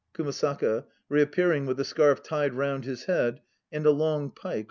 5 KUMASAKA. (Reappearing with a scarf tied round his head and a long pike over his shoulder.)